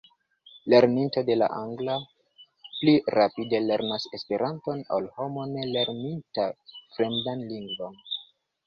Lerninto de la angla pli rapide lernas Esperanton ol homo ne lerninta fremdan lingvon.